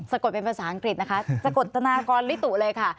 กดเป็นภาษาอังกฤษนะคะสะกดธนากรลิตุเลยค่ะ